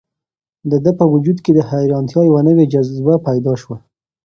د ده په وجود کې د حیرانتیا یوه نوې جذبه پیدا شوه.